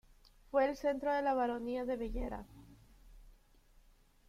Fue el centro de la baronía de Bellera.